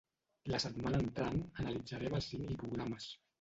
La setmana entrant analitzarem els cinc lipogrames.